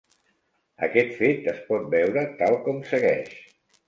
Aquest fet es pot veure tal com segueix.